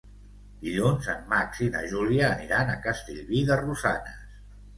Dilluns en Max i na Júlia aniran a Castellví de Rosanes.